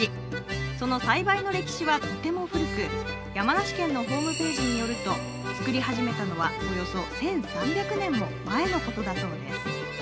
その栽培の歴史はとても古く山梨県のホームページによると作り始めたのはおよそ１３００年も前のことだそうです。